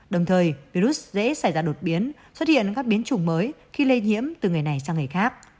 đồng thời virus dễ xảy ra đột biến xuất hiện ở các biến chủng mới khi lây nhiễm từ người này sang người khác